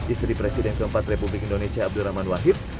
istri presiden keempat republik indonesia abdul rahman wahid